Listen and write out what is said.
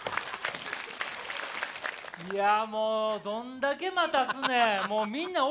いやもうどんだけ待たすねん。